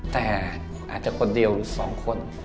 แต่อาจจะคนเดียวหรือ๒คน